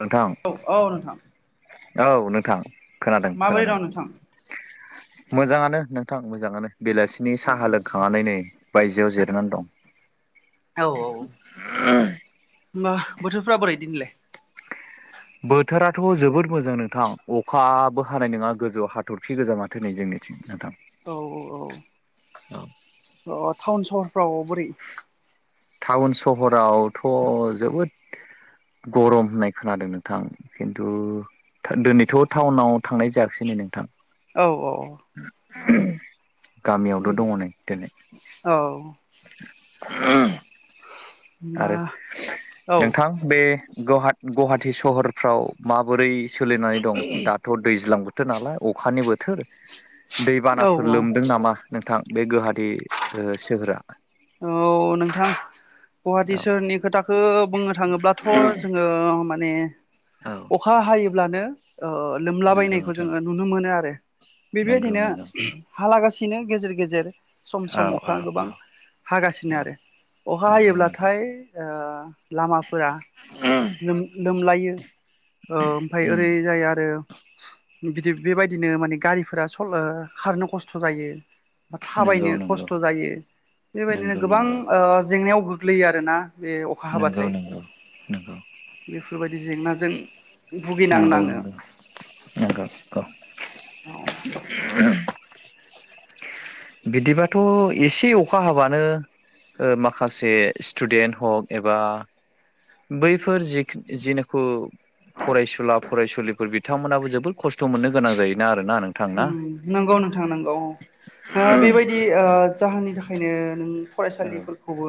नोंथां औ औ नोंथां। औ नोंथां माबोरै खोनादों-खोनादों। दं नोंथां? मोजांङानो नोंथां मोजांङानो बेलासिनि औ साहा लोंखांनानै नै बायजोआव जिरायनानै दं। औ औ, होमबा बोथोरफ्रा बोरै दिनैलाय? बोथोराथ' जोबोद मोजां नोंथां अखाबो हानाय नंङा गोजौआव हाथरखि गोजा माथो नै जोंनिथिं। नोंथां औ औ औ अ टाउन सहरफ्राव बोरै? टाउन सहरावथ' जोबोद गरम होननाय खोनादों नोंथां खिन्थु धोन दिनैथ टाउनाव थांनाय जायाखिसै नोंथां। औ औ। गामियावल' दङ नै दिनै औ होमबा आरो औ नोंथां बे ग गवाहाटि सहरफ्राव माबोरै सोलिनानै दं दाथ' दैज्लां बोथोर नालाय अखानि बोथोर औ दैबानाफोर लोमदों नामा नोंथां बे गोवाहाटि सोहोरा औ नोंथां गुवाहाटि औ सोहोरनि खोथाखौ बुंङो थाङोब्लाथ जोंङो माने औ अखा हायोब्लानो ओ नंगौ लोमलाबायनायखौ नोंथां जोंङो नुनो मोनो आरो नंगौ बेबायबायदिनो नंगौ हालागासिनो गेजेर गेजेर सम औ सम औ अखा औ गोबां। हागासिनो औ आरो अखा नंगौ नंगौ हायोब्लाथाय ओ लामाफोरा उम लोमलायो ओ ओमफ्राय ओरै जायो आरो बिदि बेबायदिनो माने गारिफोरा सल खारनो खस्थ जायो थाबायनो नंगौ नंगौ खस्थ जायो बेबायदिनो ओ नंगौ गोबां नंगौ जेंनायाव गोग्लैयो आरोना बे अखा नंगौ नंगौ हाबाथाय बेफोरबायदि जेंनाजों भुगिनांनांङो नोंगौ-नोंगौ औ बिदिबाथ एसे अखा हाबानो ओ‌ माखासे स्टुडेन्ट हक एबा बैफोर जि जिनिखु फरायसुला फरायसुलिफोर बिथांमोनाबो जोबोद खस्थ' मोननो गोनां जायोना आरोना नोंथां ना उम नंगौ नोंथां नंगौ औ ओ बेबायदि जाहोननि थाखायनो औ फरायसालिफोरखौबो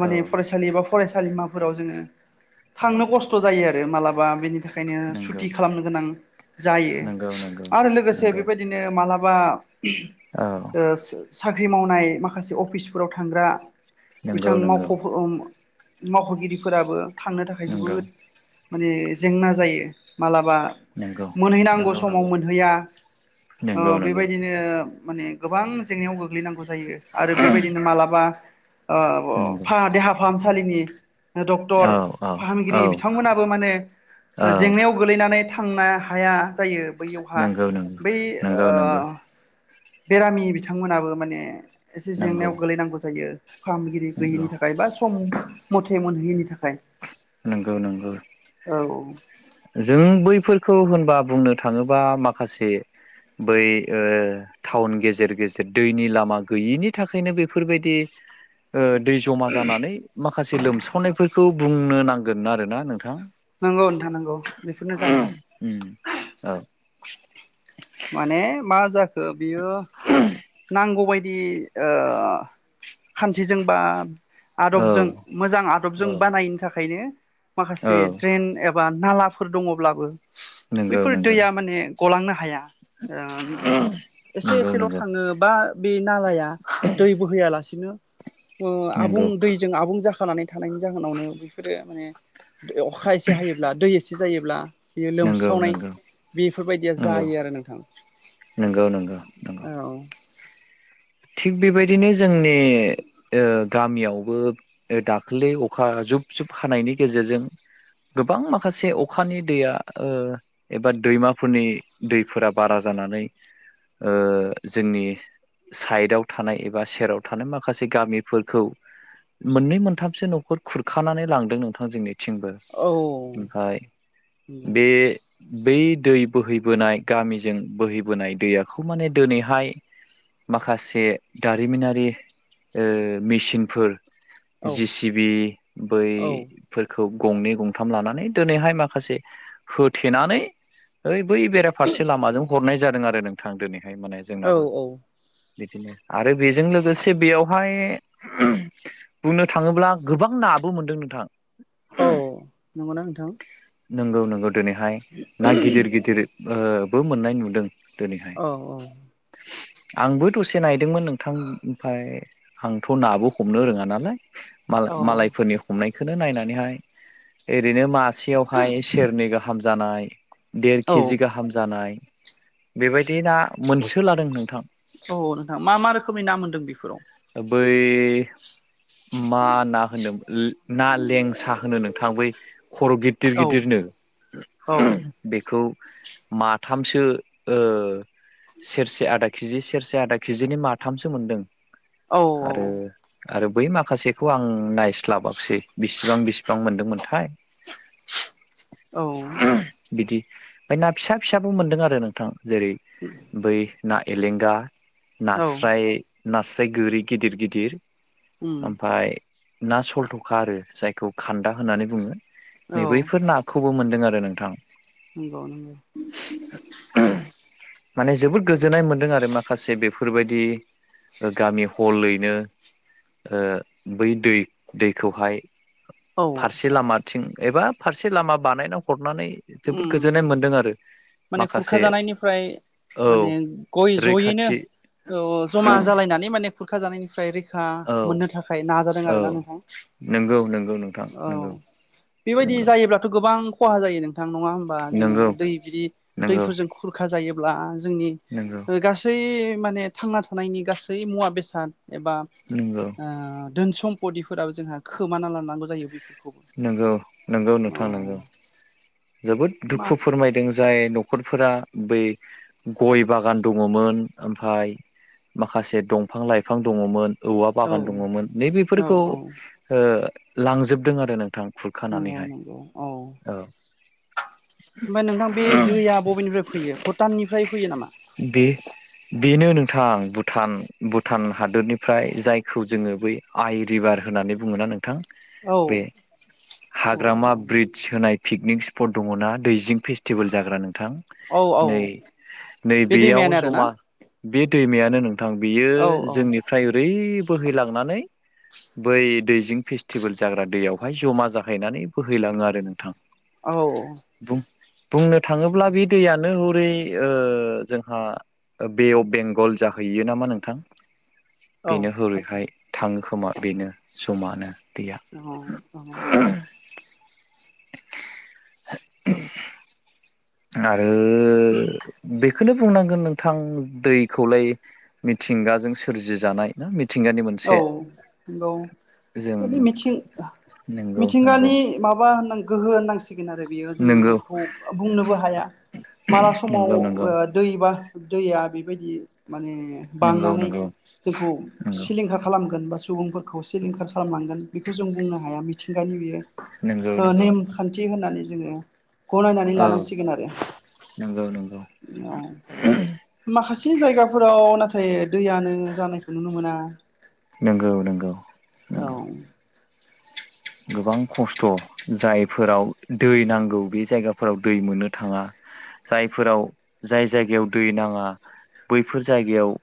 माने औ फरायसालि एबा फरायसालिमाफोराव जोङो औ थांनो खस्थ' जायो आरो मालाबा बेनि थाखाय ओंखायनो नंगौ सुति खालामनो गोनां जायो नंगौ नंगौ आरो लोगोसे नंगौ बेबायदिनो ओ मालाबा औ ओ सो साख्रि मावनाय माखासे अफिसफोराव थांग्रा नंगौ बिथां नंगौ मावख' मावख'गिरिफोराबो थांनो थाखाय नंगौ जोबोद माने जेंना जायो। मालाबा नंगौ मोनहैनांगौ नंगौ नंगौ समाव मोनहैया नंगौ नंगौ बेबायदिनो ओ माने गोबां जेंनायाव गोग्लैनांगौ जायो आरो बेबायदिनो मालाबा ओ नंगौ फा देहा फाहामसालिनि औ डक्टर औ औ फाहामगिरि बिथांमोनाबो माने औ जेंनायाव गोग्लैनानै थांनो हाया जायो बैयावहा नंगौ नंगौ बै नंगौ ओ नंगौ बेरामि बिथांमोनाबो माने एसे नंगौ जेंनायाव गोलैनांगौ जायो। फाहामगिरि नंगौ गैयिनि थाखाय बा सम मथे मोनहैयैनि थाखाय नोंगौ-नोंगौ औ जों बैफोरखौ होनबा बुंनो थाङोबा माखासे बै ओ टाउन गेजेर गेजेर दैनि लामा गैयिनि थाखायनो बेफोरबायदि दै जमा जानानै माखासे लोमसावनायफोरखौ बुंनो नांगोन आरोना नोंथां। नोंगौ नोंथां नोंगौ बेफोरनो जाहोना उम औ [unintelligible] माने मा जाखो बियो [unintelligible] नांगौबायदि ओ खान्थिजोंबा औ आदबजों मोजां आदबजों औ बानायनो थाखायनो औ माखासे ड्रेन एबा नालाफोर दङब्लाबो नंगौ बैफोर नंगौ दैया माने गलांनो हाया ओ एसे नंगौ एसेल' नंगौ ओ बा बे नालाया दै बोहैया लासेने आबुं नंगौ दैजों आबुं जाखांनानै थानायनि जाहोनावनो बेफोरो माने अखा एसे हायो ब्ला दै एसे जायोब्ला बियो नंगौ लोमस्रावनाय नंगौ बेफोरबायदिया जायो आरो नोंथां नोंगौ-नोंगौ। औ। थिग' बेबायदिनो जोंनि ओ गामियावबो दाखालि अखा जुब जुब हानायनि गेजेरजों गोबां माखासे अखानि दैया ओ एबा दैमाफोरनि दैफोरा बारा जानानै ओ जोंनि साइडआव थानाय एबा सेराव थानाय माखासे गामिफोरखौ मोननै मोनथामसो न'खर खुरखानानै लांदों नोंथां जोंनिथिंबो। औ ओमफाय बे बै दै बोहैबोनाय गामिजों बोहैबोनाय दैयाखौ माने दिनैहाय माखासे दारिमिनारि ओ मेसिनफोर औ जि सिबि बै फोरखौ गंनै गंथाम लानानै दोनैहाय माखासे होथेनानै ओइ बै बेराफारसे लामाजों हरनाय जादों आरो नोंथां दोनैहाय माने औ जोंनाबो औ। बिदिनो आरो बेजों लोगोसे बेयावहाय बुंनो थाङोब्ला गोबां नाबो मोनदों नोंथां औ नंगौना नोंथां? नोंगौ-नोंगौ दोनैहाय ना गिदिर-गिदिर ओ बो मोननाय नुदों दोनैहाय औ-औ आंबो दसे नायदोंमोन नोंथां ओमफाय आंथ' नाबो हमनो रोङा नालाय। औ मा-मालायफोरनि हमनायखौनो नायनानैहाय ओरैनो मा से यावहाय सेरनै गाहाम जानाय देर औ केजि गाहाम जानाय बेबायदि ना मोनसो लादों नोंथां। औ नोंथां मा मा रोखोमनि ना मोन्दों बेफोराव। बै मा ना होनो ना लेंसा होनो नोंथां बै खर' गिदिर औ गिदिरनो। औ। बेखौ माथामसो ओ सेरसे आदा केजि सेरसे आदा केजिनि माथामसो मोनदों औ आरो आरो बै माखासेखौ आं नायस्लाबाखैसै बिसिबां-बिसिबां मोनदोंमोनथाय। औ। बिदि ओमफाय ना फिसा फिसाबो मोनदों आरो नोंथां जेरै बै ना एलेंगा औ नास्राय-नास्राय गोरि गिदिर गिदिर उम ओमफाय ना सलथ'खा आरो जायखौ खान्दा होननानै बुङो औ नै बैफोर नाखौ खौबो मोनदों आरो नोंथां। नंगौ नंगौ। माने जोबोद गोजोननाय मोनदों आरो माखासे बेफोरबाय बेबायदि गामि हलैनो ओ बै दै-दै खौहाय औ फारसे लामाथिं एबा फारसे लामा बानायना हरनानै जोबोद उम गोजोननाय मोनदों आरो माने खुरखा माखासे जानायनिफ्राय औ माने गय जयै रैखाथि औ जमा जालायनानै माने खुरखा जानायनिफ्राय रै खा औ मोननो थाखाय नाजादों औ आरो ना नोंथां नंगौ नंगौ नोंथां औ। नंगौ बेबायदि नंगौ जायोब्लाथ' गोबां खहा जायो नों थां नङा होमबा जोङो नंगौ दै बि नंगौ दैफोरजों खुरखा जायोब्ला जोंनि नंगौ गासै गासै माने थांना थानायनि गासै मुवा बेसाद एबा नोंगौ। धोन सम्पतिफोराबो जोंहा खोमाना लानांगौ जायो बेफोर नोंगौ नोंगौ नोंथां नोंगौ जोबोद मा दुखु फोरमायदों जाय न'खरफोरा बै गय बागान दङमोन ओमफ्राय माखासे दंफां लाइफां दङमोन औवा औ बागान दङमोन औ नैबेफोरखौ औ लांजोबदों आरो नोंथां नंगौ खुरखानानैहाय नंगौ औ औ ओमफ्राय नोंथां बे दैया बबेनिफ्राय फैयो भुटाननिफ्राय फैयो नामा? बे बेनो नोंथां भुटान भुटान हादरनिफ्राय जायखौ जोङो बै आइ रिभार होननानै बुङोना नोंथां औ बे औ औ हाग्रामा ब्रिज होनाय पिकनिक स्पट दङ ना दैजिं फेस्टिभेल जाग्रा नोंथां। औ औ नै नै बे बेयाव दैमायानो आरोना जमा बे दैमायानो नोंथां बेयो औ जोंनिफ्राय औ बेनिफ्राय ओरै बोहैलांनानै बै दैजिं फेस्टिभेल जाग्रा दैयावहाय जमा जाहैनानै बोहैलाङो आरो नोंथां। औ बुं बुंनो थाङोब्ला बे दैयानो हरै ओ जोंहा बे अफ बेंगल जाहैयो नामा नोंथां - [inaudible] बेनो हरैहाय थाङो खोमा बेनो जमानो दैया। अ औ आरो बेखौनो बुंनांगोन नोंथां दैखौलाय मिथिंगाजों सोरजि जानाय औ नंगौ जों फोरनि मिथिं नंगौ नंगौ मिथिंगानि माबा होननां गोहो होननां सि फैगोन आरो बियो नंगौ जोंङो बुंनोबो हाया माला समाव नंगौ नंगौ दैबा दैया बेबायदि माने नंगौ बांनानै नंगौ जोंखौ सिलिंखार खालामगोन बा सुबुंफोरखौ सिलिंखार खालामनांगोन बेखौ जों बुंनो हाया मिथिंगानि बियो। नंगौ नंगौ नेमखान्थि होननानै जोङो गनायनानै औ लानांसिगोन आरो नंगौ नंगौ औ माखासे जायगाफोराव नाथाय दैयानो जानायखौ नुनो मोना। नोंगौ नोंगौ औ गोबां खस्थ' जायफोराव दै नांगौ बे जायगाफोराव दै मोननो थाङा। जायफोराव जाय जायगायाव दै नाङा बैफोर जायगायाव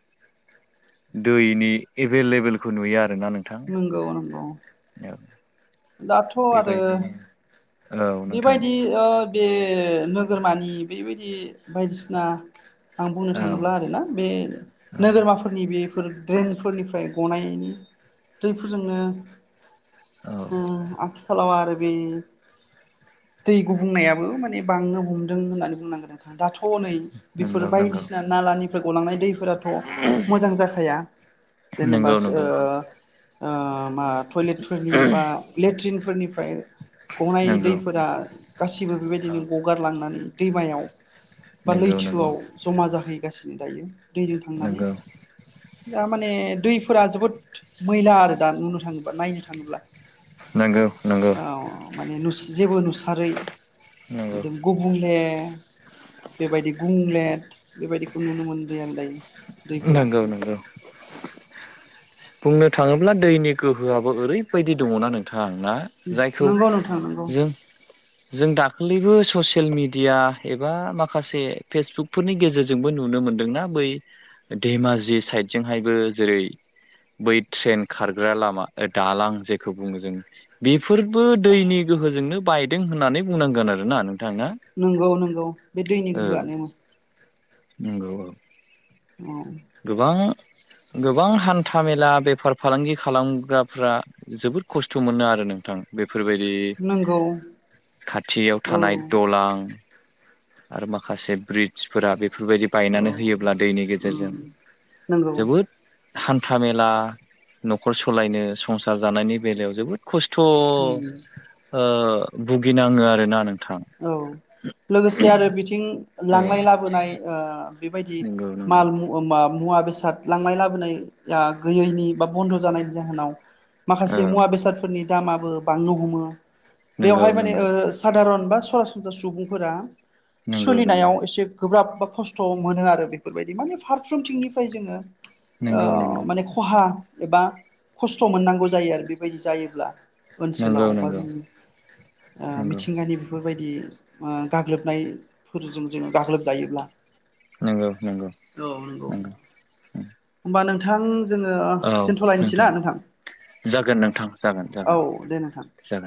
दैनि एभेलेबोलखौ नुयो आरोना नोंथां नंगौ -नंगौ औ दाथ' आरो बेबायदिनो औ नोंथां बेबायदि बे नोगोरमानि बेबायदि बायदिसिना आं बुंनो औ थाङोब्ला आरोना बे औ नोगोरमाफोरनि बेफोर ड्रेनफोरनिफ्राय गनाय दैफोरजोंनो औ आथि खालाव आरो बे दै गुबुंनायाबो माने बांनो हमदों होननानै बुंनांगोन आरो। दाथ' नै बेफोर नंगौ नंगौ बायदिसिना नालानिफ्राय गलांनाय दै फोराथ' मोजां जाखाया जेनेबा नंगौ ओ नंगौ ओ मा टयलेटफोरनि बा लेट्रिनफोरनिफ्राय गनाय नंगौ दैफोरा गासिबो औ बेबायदिनो गगारलांनानै दैमायाव बा नंगौ नंगौ लैथोआव जमा जाहैगासिनो दायो दैजों थांनानै। नंगौ दा माने दैफोरा जोबोद मैला आरो दा नुनो थाङोब्ला नायनो थाङोब्ला। नंगौ नंगौ औ माने जेबो नुसारै नंगौ गुंबुंले बेबायदि गुंलेट बेबायदिखौ नुनो मोनदों आं दायो। दैफोरा नोंगौ नोंगौ। बुंनो थाङोब्ला दैनि गोहोआबो ओरैबायदि दङना नोंथां ना जायखौ नंगौ नोंथां नंगौ जों जों दाख्लैबो ससियेल मिडिया एबा माखासे फेसबुकफोरनि गेजेर जोंबो नुनो मोनदोंना। बै धेमाजि साइद जोंहायबो जेरै बै ट्रेन खारग्रा लामा दालां जेखौ बुङो जों बेफोरबो दैनि गोहोजोंनो बायदों होननानै बुंनांगोन आरोना नों नोंगौ नोंगौ बे दैनि गोहोआनो। नोंगौ। औ गोबां गोबां हान्था मेला बेफार फालांगि खालामग्राफ्रा जोबोद खस्थ' मोनो आरो नोंथां। बेफोरबायदि नंगौ खाथियाव औ थानाय दलां आरो माखासे ब्रिडजफोरा बेफोरबादि औ बायनानै होयोब्ला दैनि उम गेजेरजों नंगौ जोबोद हान्था मेला न'खर सलायनो संसार जानायनि बेलायाव जोबोद खस्थ' ओ उम भुगिनाङो आरोना नोंथां। औ लोगोसे आरो बिथिं औ लांनाय लाबोनाय ओ बेबायदि नंगौ नंगौ मालु मुवा बेसाद लांनाय लाबोनाय ओ गैयैनि बा बन्द' जानायनि जाहोनाव औ माखासे मुवा बेसादफोरनि दामाबो बांनो हमो। नंगौ बेवहाय माने ओ नंगौ सादारन बा सरासनस्रा सुबुंफोरा नंगौ सोलिनायाव एसे गोब्राब बा खस्थ' मोनो आरो बेफोरबायदि माने फारफ्रोमथिंनिफ्राय जोङो नंगौ ओ नंगौ माने खहा एबा खस्थ' मोननांगौ जायो आरो बेबायदि जायोब्ला। नंगौ ओनसोलाव नंगौ बा जोंनि ओ मिथिंगानि बेफोरबायदि ओ गाग्लोबनायफोरजों जोङो गाग्लोबजायोब्ला। नंगौ नंगौ नंगौ औ नोंगौ। नंगौ होनबा नोंथां जोङो दोनथ'लायनोसै ना नोंथां? जागोन नोंथां जागोन औ जागोन दे नोंथां। जागोन